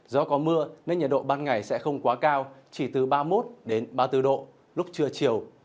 do có mưa nên nhiệt độ ban ngày sẽ không quá cao chỉ từ ba mươi một ba mươi bốn độ lúc trưa chiều